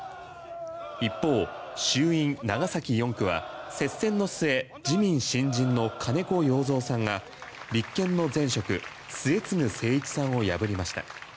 一方、衆院長崎４区は接戦の末自民新人の金子容三さんが立憲の前職末次精一さんを破りました。